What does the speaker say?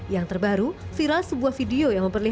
yang terbaru viral sebuah video yang memperlihatkan